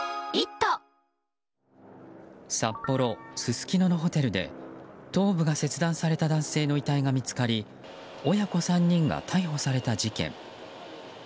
札幌・すすきののホテルで頭部が切断された男性の遺体が見つかり親子３人が逮捕された事件。